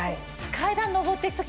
階段上っていく時